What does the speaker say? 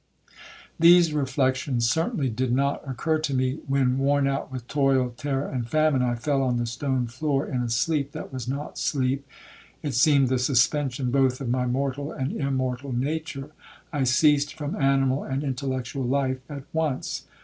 These reflections certainly did not occur to me, when, worn out with toil, terror, and famine, I fell on the stone floor in a sleep that was not sleep,—it seemed the suspension both of my mortal and immortal nature. I ceased from animal and intellectual life at once.